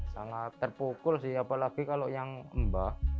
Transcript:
sangat terpukul sih apalagi kalau yang mbah